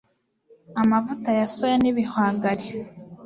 amavuta ya soya n'ibihwagari,